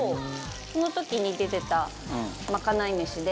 その時に出てた、まかない飯で。